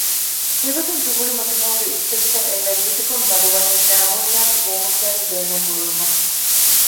މިގޮތުން ތުނބުޅި މަތިމަހުގެ އިސްތަށިތައް އެންމެ ރީތިކޮށް މަޑުވަނީ ސައިބޯންޏާއެކު ހޫނުފެން ބޭނުން ކުރީމަ